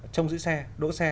trong giữ xe đỗ xe